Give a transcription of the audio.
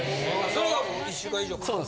それがもう１週間以上かかった？